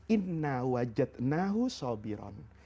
innahu wajat nahu sholbiran